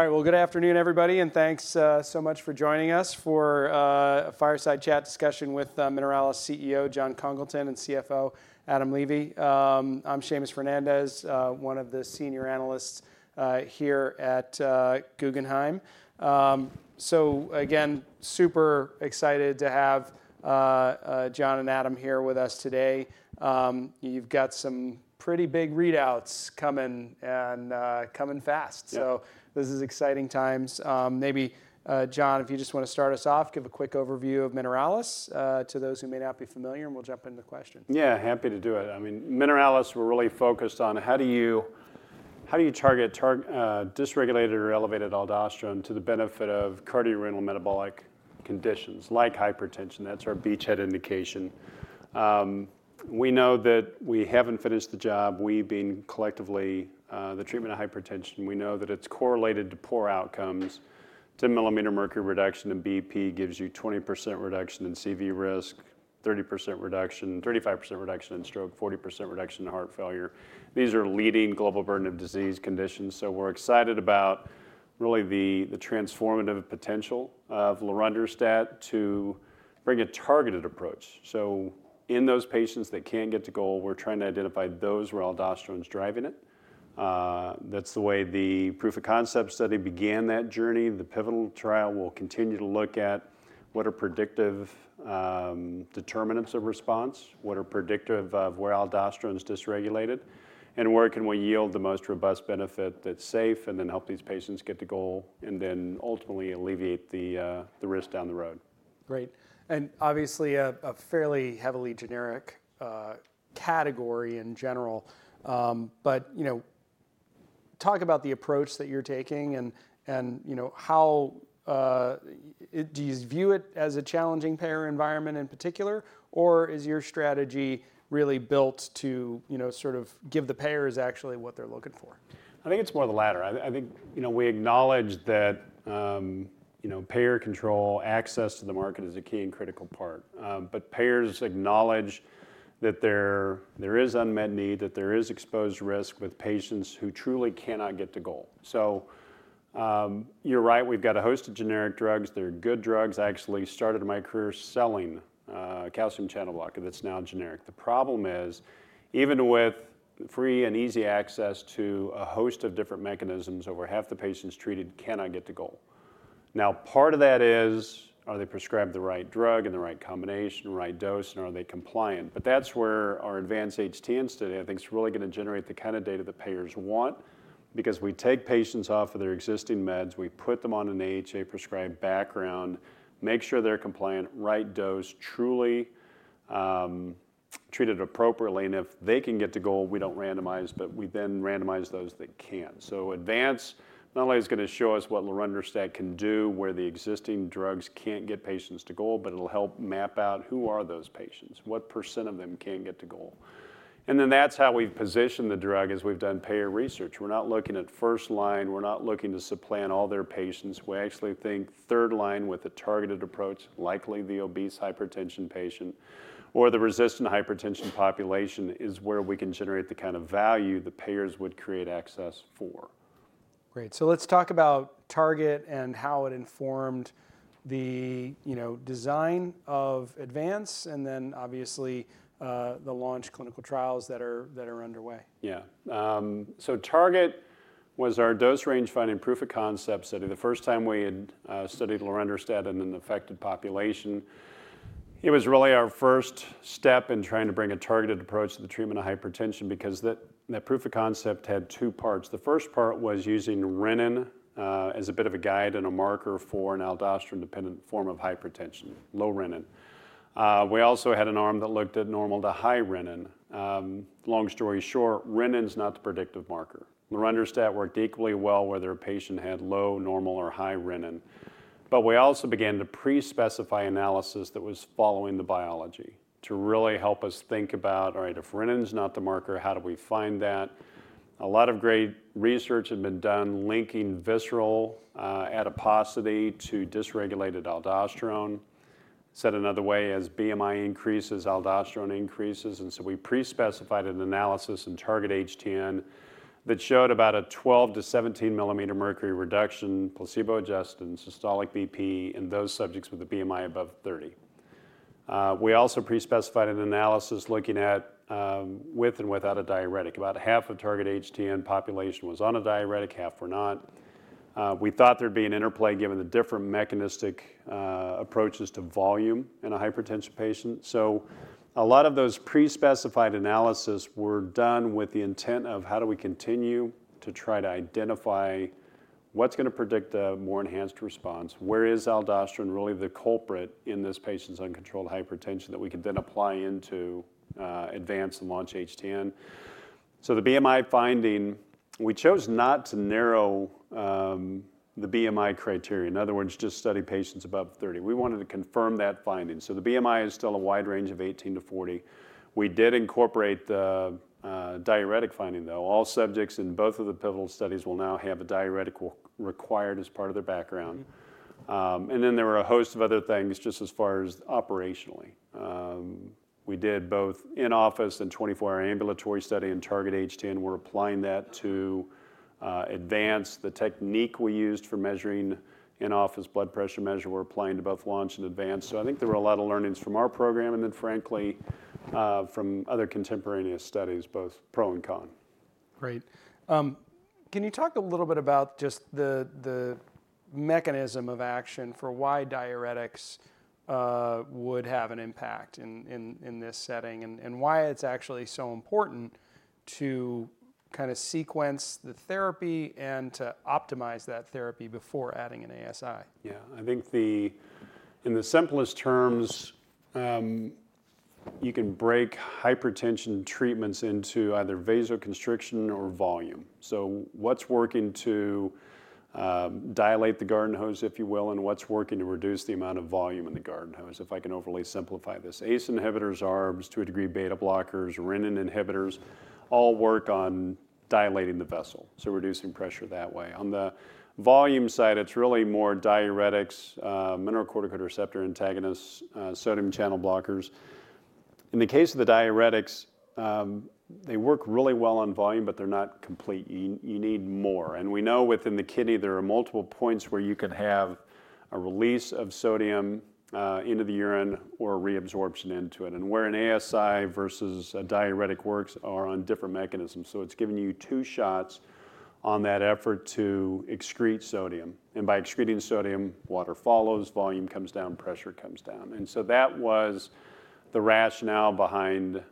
All right, well, good afternoon, everybody, and thanks so much for joining us for a fireside chat discussion with Mineralys CEO Jon Congleton and CFO Adam Levy. I'm Seamus Fernandez, one of the senior analysts here at Guggenheim. So again, super excited to have Jon and Adam here with us today. You've got some pretty big readouts coming fast, so this is exciting times. Maybe Jon, if you just want to start us off, give a quick overview of Mineralys to those who may not be familiar, and we'll jump into questions. Yeah, happy to do it. I mean, Mineralys we're really focused on how do you target dysregulated or elevated aldosterone to the benefit of cardiorenal metabolic conditions like hypertension. That's our beachhead indication. We know that we haven't finished the job, we being collectively the treatment of hypertension. We know that it's correlated to poor outcomes. 10 mm Hg reduction in BP gives you 20% reduction in CV risk, 30% reduction, 35% reduction in stroke, 40% reduction in heart failure. These are leading global burden of disease conditions, so we're excited about really the transformative potential of lorundrostat to bring a targeted approach. So in those patients that can't get to goal, we're trying to identify those where aldosterone's driving it. That's the way the proof of concept study began that journey. The pivotal trial will continue to look at what are predictive determinants of response, what are predictive of where aldosterone's dysregulated, and where can we yield the most robust benefit that's safe and then help these patients get to goal and then ultimately alleviate the risk down the road. Great. And obviously a fairly heavily generic category in general, but talk about the approach that you're taking and how do you view it as a challenging payer environment in particular, or is your strategy really built to sort of give the payers actually what they're looking for? I think it's more the latter. I think we acknowledge that payer control access to the market is a key and critical part, but payers acknowledge that there is unmet need, that there is exposed risk with patients who truly cannot get to goal. So you're right, we've got a host of generic drugs. They're good drugs. I actually started my career selling calcium channel blocker that's now generic. The problem is even with free and easy access to a host of different mechanisms, over half the patients treated cannot get to goal. Now part of that is, are they prescribed the right drug and the right combination, right dose, and are they compliant? But that's where our Advance-HTN study, I think, is really going to generate the kind of data the payers want because we take patients off of their existing meds, we put them on an AHA prescribed background, make sure they're compliant, right dose, truly treated appropriately. And if they can get to goal, we don't randomize, but we then randomize those that can't. So Advance-HTN not only is going to show us what lorundrostat can do where the existing drugs can't get patients to goal, but it'll help map out who are those patients, what % of them can get to goal. And then that's how we've positioned the drug as we've done payer research. We're not looking at first line, we're not looking to supplant all their patients. We actually think third line with a targeted approach, likely the obese hypertension patient or the resistant hypertension population is where we can generate the kind of value the payers would create access for. Great, so let's talk about Target-HTN and how it informed the design of Advance-HTN and then obviously the Launch-HTN clinical trials that are underway. Yeah. Target was our dose range finding proof of concept study. The first time we had studied lorundrostat in an affected population, it was really our first step in trying to bring a targeted approach to the treatment of hypertension because that proof of concept had two parts. The first part was using renin as a bit of a guide and a marker for an aldosterone dependent form of hypertension, low renin. We also had an arm that looked at normal to high renin. Long story short, renin's not the predictive marker. Lorundrostat worked equally well where their patient had low, normal, or high renin. But we also began to pre-specify analysis that was following the biology to really help us think about, all right, if renin's not the marker, how do we find that? A lot of great research had been done linking visceral adiposity to dysregulated aldosterone. Said another way, as BMI increases, aldosterone increases. And so we pre-specified an analysis in Target-HTN that showed about a 12-17 mm Hg reduction placebo adjusted in systolic BP in those subjects with a BMI above 30. We also pre-specified an analysis looking at with and without a diuretic. About half of Target-HTN population was on a diuretic, half were not. We thought there'd be an interplay given the different mechanistic approaches to volume in a hypertension patient. So a lot of those pre-specified analyses were done with the intent of how do we continue to try to identify what's going to predict a more enhanced response? Where is aldosterone really the culprit in this patient's uncontrolled hypertension that we could then apply into Advance-HTN and Launch-HTN? So the BMI finding, we chose not to narrow the BMI criteria. In other words, just study patients above 30. We wanted to confirm that finding. So the BMI is still a wide range of 18-40. We did incorporate the diuretic finding though. All subjects in both of the pivotal studies will now have a diuretic required as part of their background. And then there were a host of other things just as far as operationally. We did both in-office and 24-hour ambulatory study in Target-HTN. We're applying that to Advance-HTN. The technique we used for measuring in-office blood pressure measure, we're applying to both Launch-HTN and Advance-HTN. So I think there were a lot of learnings from our program and then frankly from other contemporaneous studies, both pro and con. Great. Can you talk a little bit about just the mechanism of action for why diuretics would have an impact in this setting and why it's actually so important to kind of sequence the therapy and to optimize that therapy before adding an ASI? Yeah. I think in the simplest terms, you can break hypertension treatments into either vasoconstriction or volume. So what's working to dilate the garden hose, if you will, and what's working to reduce the amount of volume in the garden hose? If I can overly simplify this, ACE inhibitors, ARBs to a degree, beta blockers, renin inhibitors all work on dilating the vessel, so reducing pressure that way. On the volume side, it's really more diuretics, mineralocorticoid receptor antagonists, sodium channel blockers. In the case of the diuretics, they work really well on volume, but they're not complete. You need more. And we know within the kidney there are multiple points where you can have a release of sodium into the urine or reabsorption into it. And where an ASI versus a diuretic works are on different mechanisms. It's giving you two shots on that effort to excrete sodium. And by excreting sodium, water follows, volume comes down, pressure comes down. And so that was the rationale behind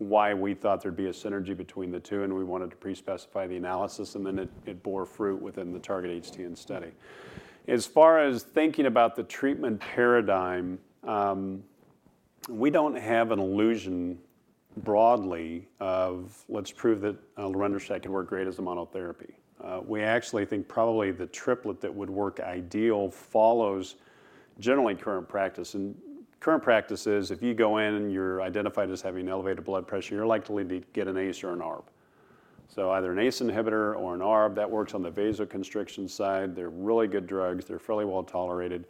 why we thought there'd be a synergy between the two, and we wanted to pre-specify the analysis, and then it bore fruit within the Target-HTN study. As far as thinking about the treatment paradigm, we don't have an illusion broadly of let's prove that lorundrostat can work great as a monotherapy. We actually think probably the triplet that would work ideal follows generally current practice. And current practice is if you go in and you're identified as having elevated blood pressure, you're likely to get an ACE or an ARB. So either an ACE inhibitor or an ARB that works on the vasoconstriction side. They're really good drugs. They're fairly well tolerated.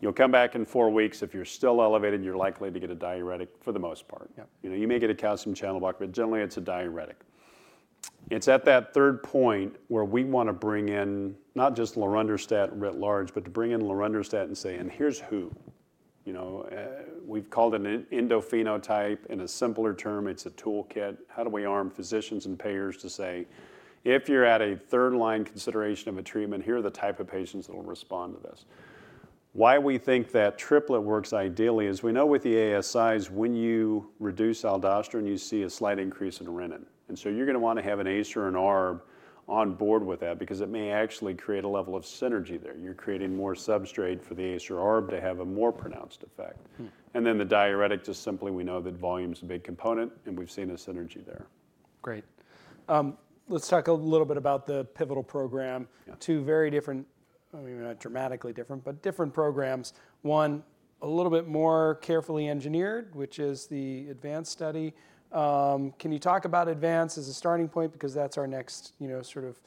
You'll come back in four weeks. If you're still elevated, you're likely to get a diuretic for the most part. You may get a calcium channel blocker, but generally it's a diuretic. It's at that third point where we want to bring in not just lorundrostat writ large, but to bring in lorundrostat and say, and here's who. We've called it an endophenotype in a simpler term. It's a toolkit. How do we arm physicians and payers to say, if you're at a third line consideration of a treatment, here are the type of patients that'll respond to this? Why we think that triplet works ideally is we know with the ASIs when you reduce aldosterone, you see a slight increase in renin. And so you're going to want to have an ACE or an ARB on board with that because it may actually create a level of synergy there. You're creating more substrate for the ACE or ARB to have a more pronounced effect. And then the diuretic just simply we know that volume's a big component and we've seen a synergy there. Great. Let's talk a little bit about the pivotal program. Two very different, maybe not dramatically different, but different programs. One a little bit more carefully engineered, which is the Advance-HTN study. Can you talk about Advance-HTN as a starting point because that's our next sort of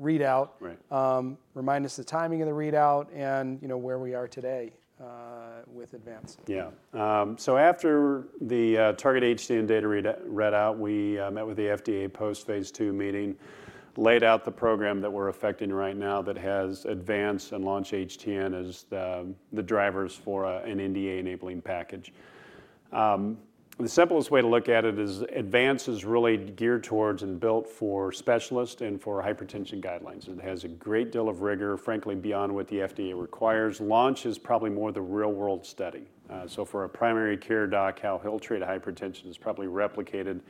readout? Right. Remind us the timing of the readout and where we are today with Advance-HTN. Yeah. So after the Target-HTN data read out, we met with the FDA post phase 2 meeting, laid out the program that we're affecting right now that has Advance-HTN and Launch-HTN as the drivers for an NDA enabling package. The simplest way to look at it is Advance-HTN is really geared towards and built for specialists and for hypertension guidelines. It has a great deal of rigor, frankly beyond what the FDA requires. Launch-HTN is probably more the real world study. So for a primary care doc, how he'll treat hypertension is probably replicated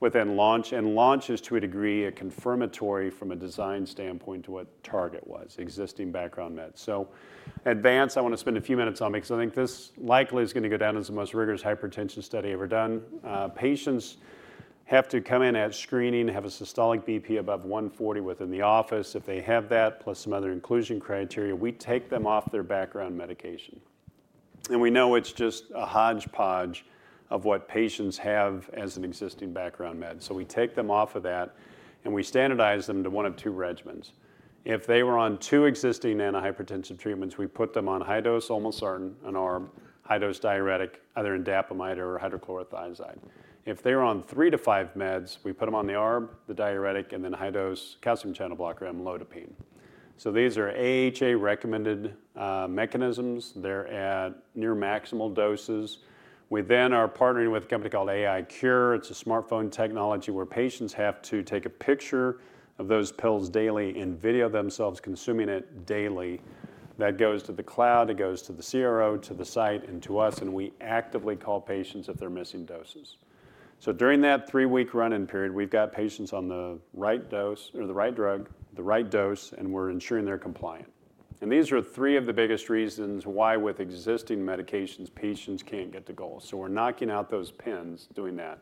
within Launch-HTN. And Launch-HTN is to a degree a confirmatory from a design standpoint to what Target-HTN was, existing background meds. So Advance-HTN, I want to spend a few minutes on because I think this likely is going to go down as the most rigorous hypertension study ever done. Patients have to come in at screening, have a systolic BP above 140 in the office. If they have that plus some other inclusion criteria, we take them off their background medication. We know it's just a hodgepodge of what patients have as an existing background med. We take them off of that and we standardize them to one of two regimens. If they were on two existing antihypertensive treatments, we put them on high dose olmesartan, an ARB, high dose diuretic, either indapamide or hydrochlorothiazide. If they were on three to five meds, we put them on the ARB, the diuretic, and then high dose calcium channel blocker, amlodipine. These are AHA recommended mechanisms. They're at near maximal doses. We then are partnering with a company called AiCure. It's a smartphone technology where patients have to take a picture of those pills daily and video themselves consuming it daily. That goes to the cloud, it goes to the CRO, to the site, and to us, and we actively call patients if they're missing doses. So during that three-week run-in period, we've got patients on the right dose or the right drug, the right dose, and we're ensuring they're compliant. And these are three of the biggest reasons why with existing medications, patients can't get to goal. So we're knocking out those pain points doing that.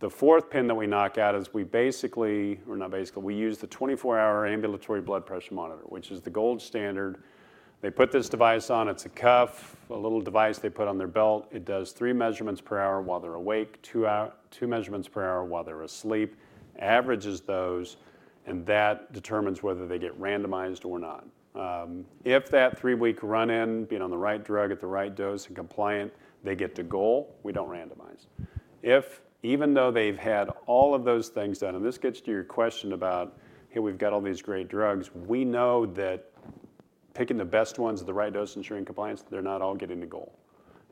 The fourth pain point that we knock out is we basically, or not basically, we use the 24-hour ambulatory blood pressure monitor, which is the gold standard. They put this device on, it's a cuff, a little device they put on their belt. It does three measurements per hour while they're awake, two measurements per hour while they're asleep, averages those, and that determines whether they get randomized or not. If that three-week run in being on the right drug at the right dose and compliant, they get to goal, we don't randomize. If even though they've had all of those things done, and this gets to your question about, hey, we've got all these great drugs, we know that picking the best ones at the right dose and ensuring compliance, they're not all getting to goal.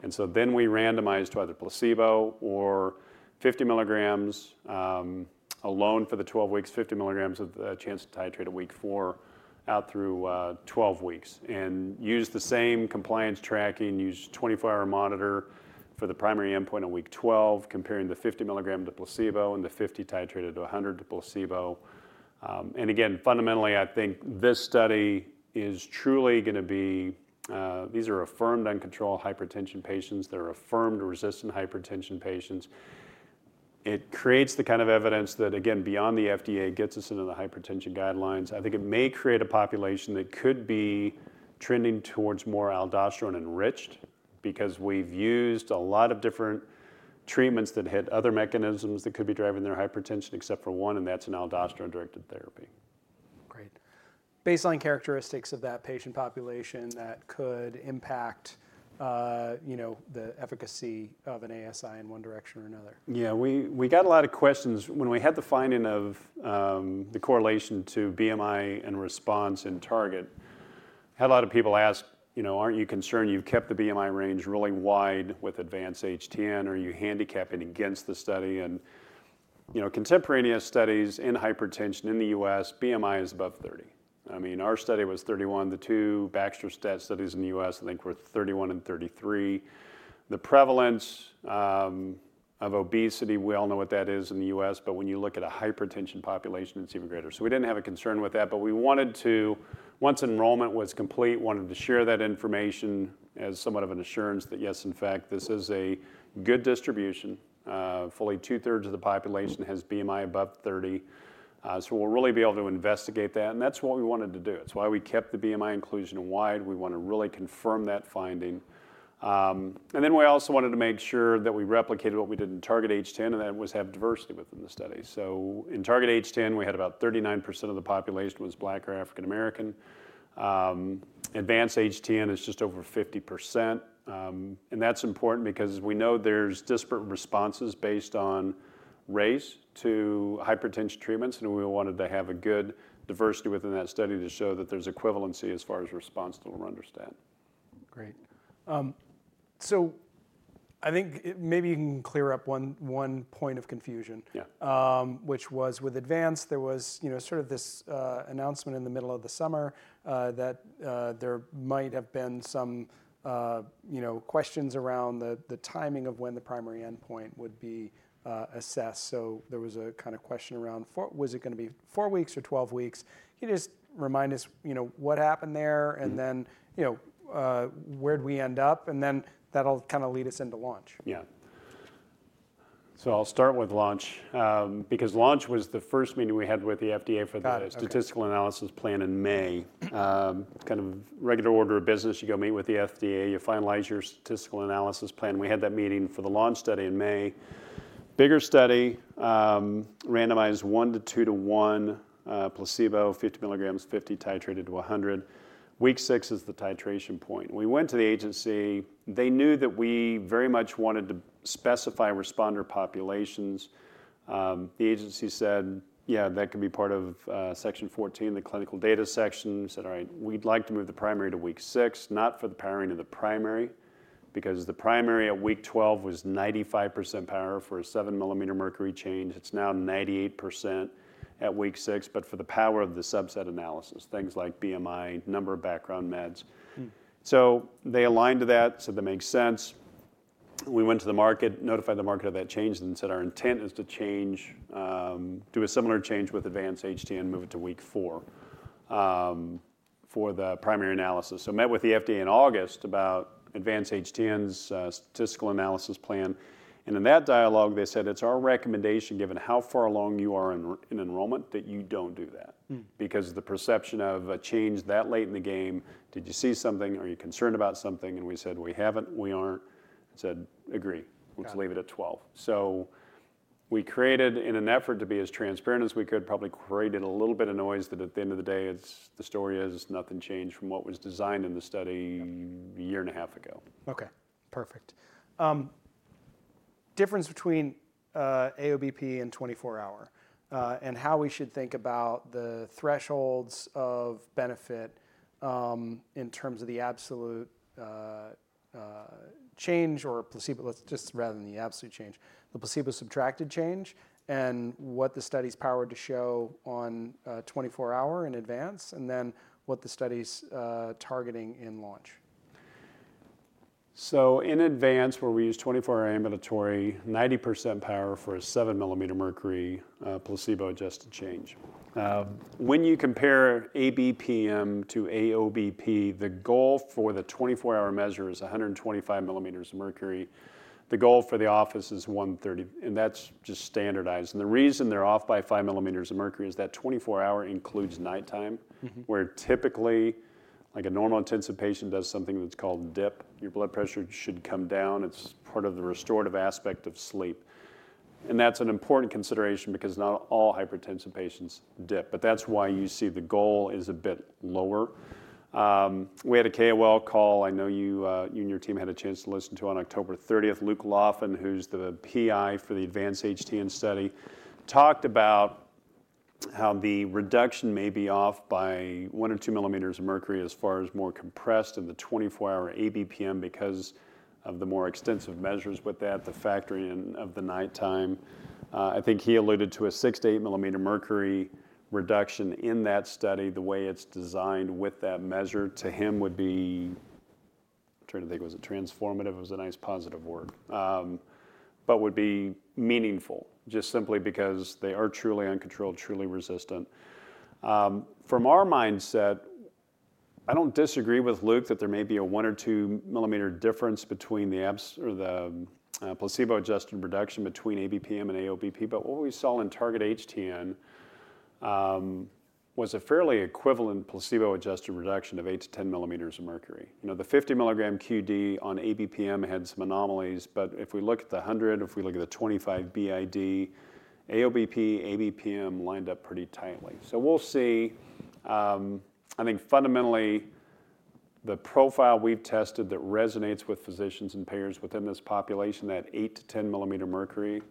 And so then we randomize to either placebo or 50 milligrams alone for the 12 weeks, 50 milligrams with the chance to titrate at week four out through 12 weeks, and use the same compliance tracking, use 24-hour monitor for the primary endpoint on week 12, comparing the 50 milligram to placebo and the 50 titrated to 100 to placebo. And again, fundamentally, I think this study is truly going to be. These are affirmed uncontrolled hypertension patients. They're affirmed resistant hypertension patients. It creates the kind of evidence that, again, beyond the FDA, it gets us into the hypertension guidelines. I think it may create a population that could be trending towards more aldosterone enriched because we've used a lot of different treatments that hit other mechanisms that could be driving their hypertension except for one, and that's an aldosterone-directed therapy. Great. Baseline characteristics of that patient population that could impact the efficacy of an ASI in one direction or another. Yeah. We got a lot of questions when we had the finding of the correlation to BMI and response in Target. Had a lot of people ask, aren't you concerned you've kept the BMI range really wide with Advance-HTN? Are you handicapping against the study? And contemporaneous studies in hypertension in the US, BMI is above 30. I mean, our study was 31. The two baxdrostat studies in the US, I think were 31 and 33. The prevalence of obesity, we all know what that is in the US, but when you look at a hypertension population, it's even greater. So we didn't have a concern with that, but we wanted to, once enrollment was complete, wanted to share that information as somewhat of an assurance that, yes, in fact, this is a good distribution. Fully two-thirds of the population has BMI above 30. So we'll really be able to investigate that. And that's what we wanted to do. It's why we kept the BMI inclusion wide. We want to really confirm that finding. And then we also wanted to make sure that we replicated what we did in Target-HTN and that was have diversity within the study. So in Target-HTN, we had about 39% of the population was Black or African American. Advance-HTN is just over 50%. And that's important because we know there's disparate responses based on race to hypertension treatments. And we wanted to have a good diversity within that study to show that there's equivalency as far as response to lorundrostat. Great. So I think maybe you can clear up one point of confusion, which was with Advance-HTN. There was sort of this announcement in the middle of the summer that there might have been some questions around the timing of when the primary endpoint would be assessed. So there was a kind of question around, was it going to be four weeks or 12 weeks? Can you just remind us what happened there and then where did we end up? And then that'll kind of lead us into Launch-HTN. Yeah. So I'll start with Launch because Launch was the first meeting we had with the FDA for the statistical analysis plan in May. Kind of regular order of business, you go meet with the FDA, you finalize your statistical analysis plan. We had that meeting for the Launch study in May. Bigger study, randomized one to two to one placebo, 50 milligrams, 50 titrated to 100. Week six is the titration point. We went to the agency. They knew that we very much wanted to specify responder populations. The agency said, yeah, that could be part of section 14, the clinical data section. We said, all right, we'd like to move the primary to week six, not for the powering of the primary because the primary at week 12 was 95% power for a seven mm Hg change. It's now 98% at week six, but for the power of the subset analysis, things like BMI, number of background meds, so they aligned to that, so that makes sense. We went to the market, notified the market of that change, and said our intent is to do a similar change with Advance-HTN, move it to week four for the primary analysis, so met with the FDA in August about Advance-HTN's statistical analysis plan, and in that dialogue, they said, it's our recommendation given how far along you are in enrollment that you don't do that because of the perception of a change that late in the game. Did you see something? Are you concerned about something? And we said, we haven't, we aren't. They said, agree. Let's leave it at 12. So we created, in an effort to be as transparent as we could, probably created a little bit of noise that at the end of the day, the story is nothing changed from what was designed in the study a year and a half ago. Okay. Perfect. Difference between AOBP and 24-hour and how we should think about the thresholds of benefit in terms of the absolute change or placebo, just rather than the absolute change, the placebo-subtracted change and what the study's power to show on 24-hour in Advance and then what the study's targeting in Launch. In Advance-HTN, where we use 24-hour ambulatory, 90% power for a seven millimeters of mercury placebo-adjusted change. When you compare ABPM to AOBP, the goal for the 24-hour measure is 125 millimeters of mercury. The goal for the office is 130, and that's just standardized. The reason they're off by five millimeters of mercury is that 24-hour includes nighttime, where typically like a normal hypertensive patient does something that's called dip. Your blood pressure should come down. It's part of the restorative aspect of sleep. That's an important consideration because not all hypertensive patients dip. That's why you see the goal is a bit lower. We had a KOL call. I know you and your team had a chance to listen to on October 30th. Luke Laffin, who's the PI for the Advance-HTN study, talked about how the reduction may be off by one or two millimeters of mercury as far as more compressed in the 24-hour ABPM because of the more extensive measures with that, the factoring of the nighttime. I think he alluded to a six to eight millimeter mercury reduction in that study. The way it's designed with that measure to him would be, I'm trying to think, was it transformative? It was a nice positive word, but would be meaningful just simply because they are truly uncontrolled, truly resistant. From our mindset, I don't disagree with Luke that there may be a one or two millimeter difference between the placebo-adjusted reduction between ABPM and AOBP, but what we saw in Target-HTN was a fairly equivalent placebo-adjusted reduction of eight to ten millimeters of mercury. The 50 milligram QD on ABPM had some anomalies, but if we look at the 100, if we look at the 25 BID, AOBP, ABPM lined up pretty tightly. So we'll see. I think fundamentally the profile we've tested that resonates with physicians and payers within this population, that eight to ten millimeter mercury,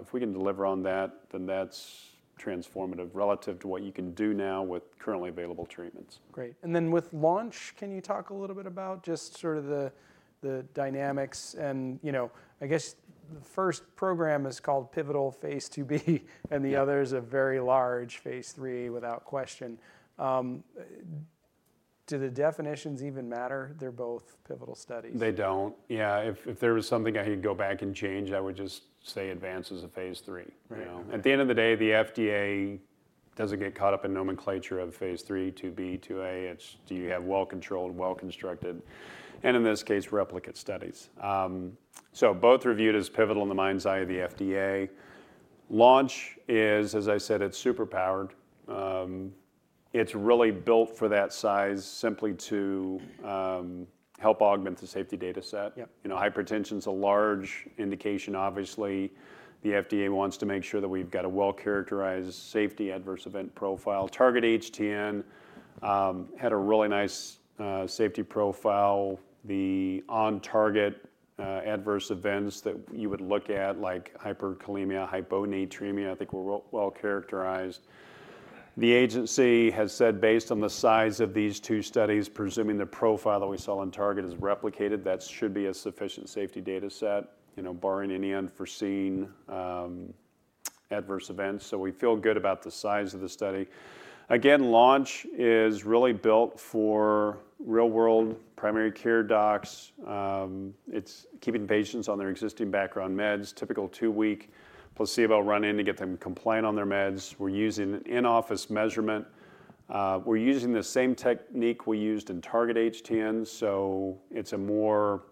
if we can deliver on that, then that's transformative relative to what you can do now with currently available treatments. Great. And then with launch, can you talk a little bit about just sort of the dynamics? And I guess the first program is called Pivotal phase 2b and the others a very large phase 3, without question. Do the definitions even matter? They're both pivotal studies. They don't. Yeah. If there was something I could go back and change, I would just say Advance as a phase 3. At the end of the day, the FDA doesn't get caught up in nomenclature of phase 3, 2b, 2a. It's do you have well-controlled, well-constructed, and in this case, replicate studies. So both reviewed as pivotal in the mind's eye of the FDA. Launch is, as I said, it's super powered. It's really built for that size simply to help augment the safety data set. Hypertension is a large indication. Obviously, the FDA wants to make sure that we've got a well-characterized safety adverse event profile. Target HTN had a really nice safety profile. The on-target adverse events that you would look at, like hyperkalemia, hyponatremia, I think were well-characterized. The agency has said, based on the size of these two studies, presuming the profile that we saw on Target-HTN is replicated, that should be a sufficient safety data set, barring any unforeseen adverse events. So we feel good about the size of the study. Again, Launch-HTN is really built for real-world primary care docs. It's keeping patients on their existing background meds, typical two-week placebo run-in to get them compliant on their meds. We're using an in-office measurement. We're using the same technique we used in Target-HTN. So it's a more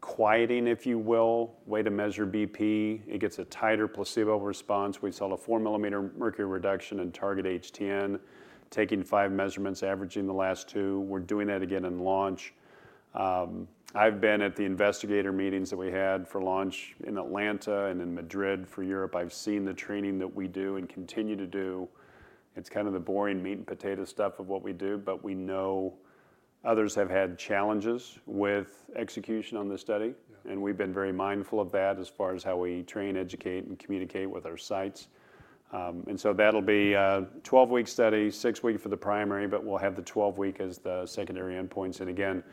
quieting, if you will, way to measure BP. It gets a tighter placebo response. We saw a 4 mm Hg reduction in Target-HTN, taking five measurements, averaging the last two. We're doing that again in Launch-HTN. I've been at the investigator meetings that we had for Launch-HTN in Atlanta and in Madrid for Europe. I've seen the training that we do and continue to do. It's kind of the boring meat and potato stuff of what we do, but we know others have had challenges with execution on this study. And we've been very mindful of that as far as how we train, educate, and communicate with our sites. And so that'll be a 12-week study, six-week for the primary, but we'll have the 12-week as the secondary endpoints. And again,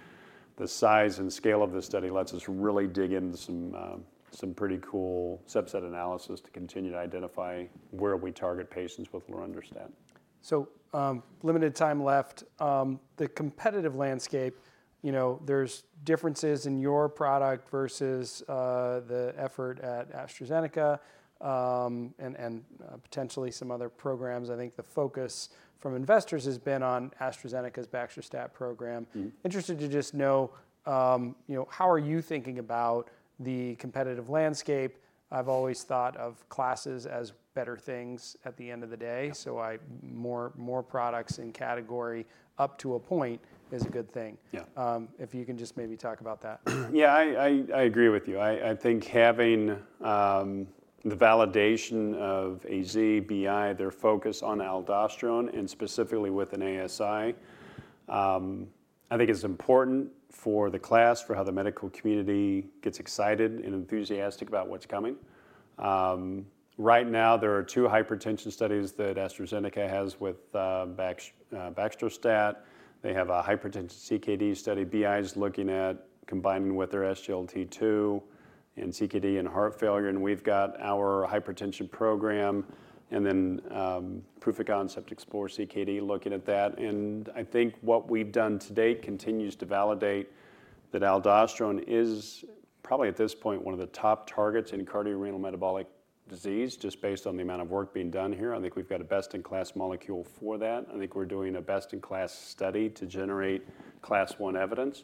the size and scale of this study lets us really dig into some pretty cool subset analysis to continue to identify where we target patients with lorundrostat. So, limited time left. The competitive landscape, there's differences in your product versus the effort at AstraZeneca and potentially some other programs. I think the focus from investors has been on AstraZeneca's baxdrostat program. Interested to just know, how are you thinking about the competitive landscape? I've always thought of classes as better things at the end of the day. So more products in category up to a point is a good thing. If you can just maybe talk about that. Yeah, I agree with you. I think having the validation of AZ, BI, their focus on aldosterone and specifically with an ASI, I think is important for the class, for how the medical community gets excited and enthusiastic about what's coming. Right now, there are two hypertension studies that AstraZeneca has with baxdrostat. They have a hypertension CKD study. BI is looking at combining with their SGLT2 and CKD and heart failure. And we've got our hypertension program and then Proof of Concept Explore-CKD looking at that. And I think what we've done to date continues to validate that aldosterone is probably at this point one of the top targets in cardiorenal metabolic disease, just based on the amount of work being done here. I think we've got a best-in-class molecule for that. I think we're doing a best-in-class study to generate class one evidence.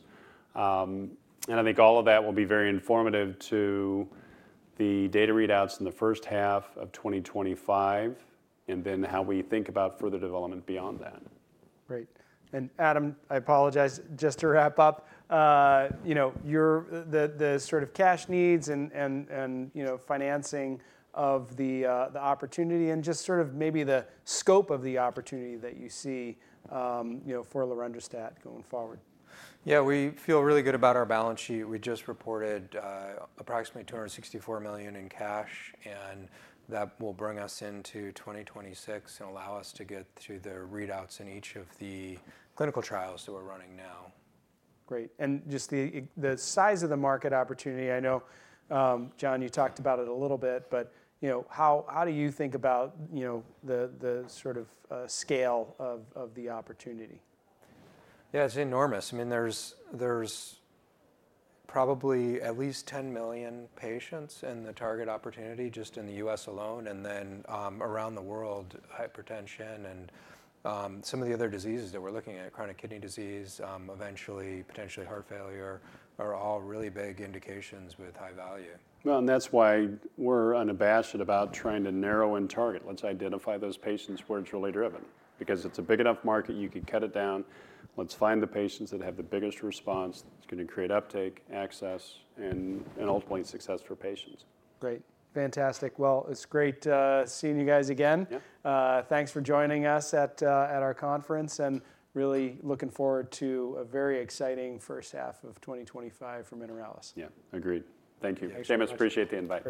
I think all of that will be very informative to the data readouts in the first half of 2025 and then how we think about further development beyond that. Great. And Adam, I apologize, just to wrap up, the sort of cash needs and financing of the opportunity and just sort of maybe the scope of the opportunity that you see for lorundrostat going forward? Yeah, we feel really good about our balance sheet. We just reported approximately $264 million in cash, and that will bring us into 2026 and allow us to get through the readouts in each of the clinical trials that we're running now. Great, and just the size of the market opportunity, I know, Jon, you talked about it a little bit, but how do you think about the sort of scale of the opportunity? Yeah, it's enormous. I mean, there's probably at least 10 million patients in the target opportunity just in the U.S. alone. And then around the world, hypertension and some of the other diseases that we're looking at, chronic kidney disease, eventually potentially heart failure, are all really big indications with high value. Well, and that's why we're unabashed about trying to narrow in target. Let's identify those patients where it's really driven because it's a big enough market, you can cut it down. Let's find the patients that have the biggest response. It's going to create uptake, access, and ultimately success for patients. Great. Fantastic. Well, it's great seeing you guys again. Thanks for joining us at our conference and really looking forward to a very exciting first half of 2025 for Mineralys. Yeah, agreed. Thank you. Jamus, appreciate the invite.